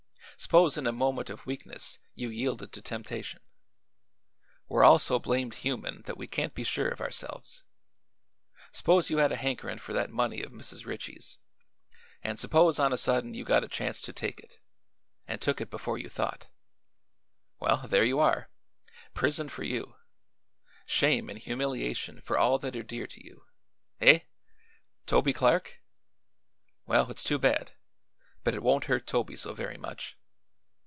S'pose in a moment of weakness you yielded to temptation? We're all so blamed human that we can't be sure of ourselves. S'pose you had a hankerin' for that money of Mrs. Ritchie's, an' s'pose on a sudden you got a chance to take it an' took it before you thought? Well; there you are. Prison for you; shame and humiliation for all that are dear to you. Eh? Toby Clark? Well, it's too bad, but it won't hurt Toby so very much.